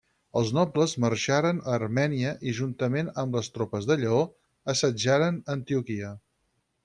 Els nobles marxaren a Armènia i juntament amb les tropes de Lleó, assetjaren Antioquia.